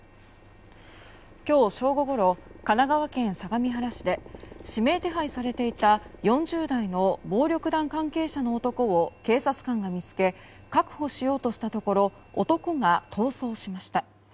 今日正午ごろ神奈川県相模原市で指名手配されていた４０代の暴力団関係者の男を警察官が見つけ確保しようとしたところ男が逃走しました。